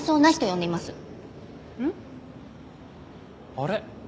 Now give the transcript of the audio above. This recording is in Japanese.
あれ？